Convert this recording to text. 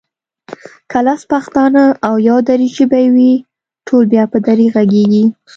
که لس پښتانه او يو دري ژبی وي ټول بیا په دري غږېږي